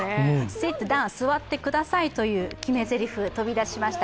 シットダウン、座ってくださいという決めぜりふ、飛び出しました。